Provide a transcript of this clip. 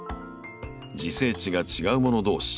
自生地が違うもの同士